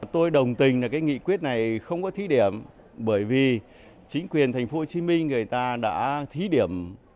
tôi đồng tình là cái nghị quyết này không có thí điểm bởi vì chính quyền tp hcm người ta đã thí điểm